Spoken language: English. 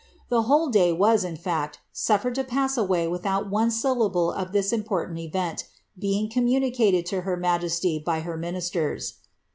The whole day was, in fact, soflered to pass away without one syllable of this important event being communicated to her majesty by her ministers.